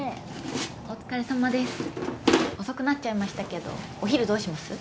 お疲れさまです遅くなっちゃいましたけどお昼どうします？